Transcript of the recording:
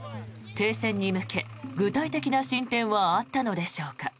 停戦に向け、具体的な進展はあったのでしょうか。